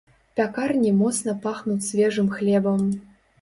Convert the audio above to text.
Пякарні моцна пахнуць свежым хлебам.